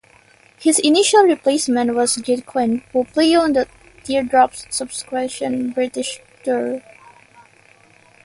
His initial replacement was Ged Quinn, who played on the Teardrops' subsequent British tour.